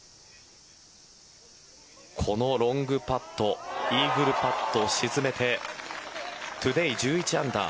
このロングパットイーグルパットを沈めてトゥデイ１１アンダー。